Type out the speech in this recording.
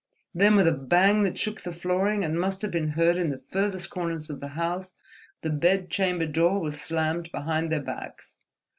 Then with a bang that shook the flooring and must have been heard in the farthest corners of the house, the bedchamber door was slammed behind their backs.